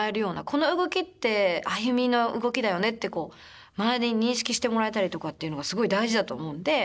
この動きってＡＹＵＭＩの動きだよねってこう周りに認識してもらえたりとかっていうのがすごい大事だと思うんで。